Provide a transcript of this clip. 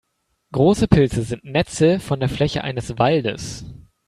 Große Pilze sind Netze von der Fläche eines Waldes.